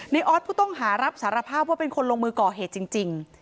ออสผู้ต้องหารับสารภาพว่าเป็นคนลงมือก่อเหตุจริง